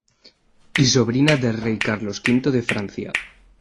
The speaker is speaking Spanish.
Y sobrina del rey Carlos V de Francia.